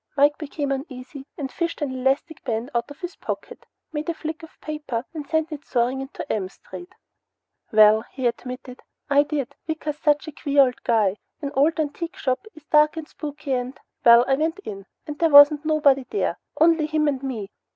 Mike became uneasy and fished an elastic band out of his pocket, made a flick of paper and sent it soaring out into M Street. "Well " he admitted, "I did. Wicker's such a queer old guy. That ol' antique shop is dark an' spooky, an' Well, I went in, and there wasn't nobody there, on'y him and me."